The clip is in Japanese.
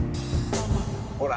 ほら。